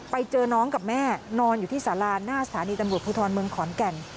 ไปเจอน้องกับแม่นอนอยู่ที่สาราหน้าสถานีตำรวจภูทรเมืองขอนแก่น